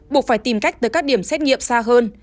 buộc phải tìm cách tới các điểm xét nghiệm xa hơn